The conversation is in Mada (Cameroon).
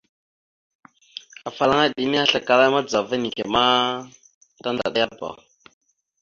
Afalaŋana iɗə nehe aslakala madəzava neke ma tandaɗayaba.